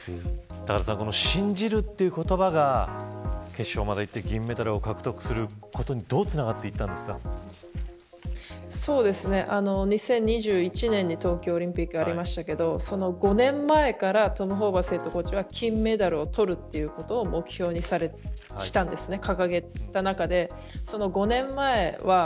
高田さん信じるという言葉が決勝までいって、銀メダルを獲得することに２０２１年に東京オリンピックがありましたがその５年前からトム・ホーバスヘッドコーチは金メダルを取るということを目標に掲げた中で。